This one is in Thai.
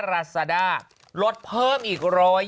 ราซาด้าลดเพิ่มอีก๑๐๐